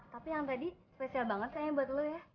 tapi yang tadi spesial banget kayaknya buat lo ya